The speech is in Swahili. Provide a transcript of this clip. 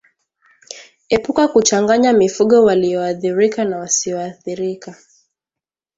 Epuka kuchanganya mifugo walioathirika na wasioathirika